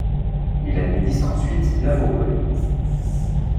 Il administre ensuite la Bourgogne.